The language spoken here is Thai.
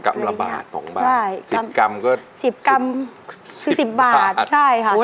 กำละบาท๒บาท๑๐กรัมก็๑๐บาท